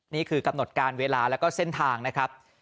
นี่คือกำหนดการเวลาแล้วก็เส้นทางนะครับ